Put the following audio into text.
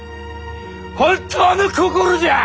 本当の心じゃ！